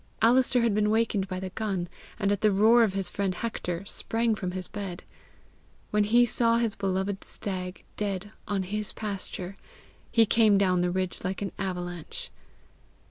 Alister had been waked by the gun, and at the roar of his friend Hector, sprang from his bed. When he saw his beloved stag dead on his pasture, he came down the ridge like an avalanche.